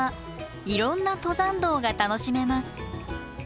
いろんな登山道が楽しめます。